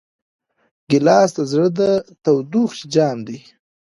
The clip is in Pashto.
ګیلاس د زړه د تودوخې جام دی.